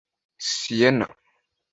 Sienna